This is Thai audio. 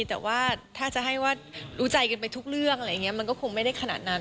แต่ว่าถ้าจะให้ว่ารู้ใจกันไปทุกเรื่องมันก็คงไม่ได้ขนาดนั้น